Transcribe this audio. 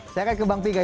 saya akan ke bang pigai